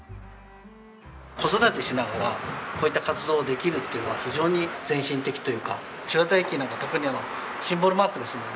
子育てしながらこういった活動をできるっていうのは非常に前進的というか千綿駅なんか特にシンボルマークですので。